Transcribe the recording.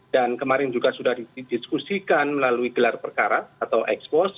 dan kemarin juga sudah didiskusikan melalui gelar perkara atau ekspos